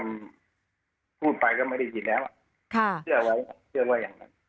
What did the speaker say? เชื่อไว้อย่างนั้น